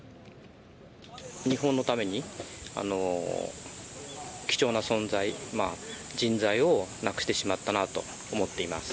日本のために、貴重な存在、人材を亡くしてしまったなと思っています。